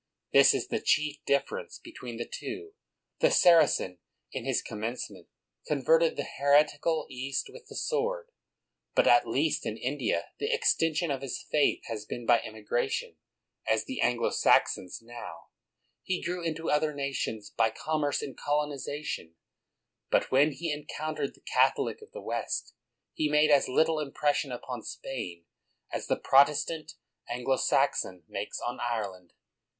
This is the chief dif ference between the two : the Saracen, in his com mencement, converted the heretical East with the sword; but at least in India the extension of his faith has been by emigration, as the An glo Saxon's now; he grew into other nations by commerce and colonization; but, when he en countered the Catholic of the West, he made as little impression upon Spain, as the Protest ant Anglo Saxon makes on Ireland.